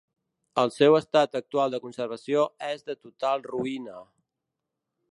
El seu estat actual de conservació és de total ruïna.